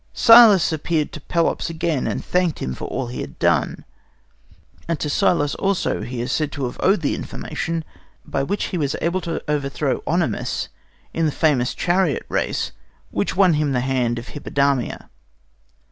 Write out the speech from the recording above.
Cillas appeared to Pelops again, and thanked him for all he had done, and to Cillas also he is said to have owed the information by which he was able to overthrow OEnomaus in the famous chariot race which won him the hand of Hippodamia.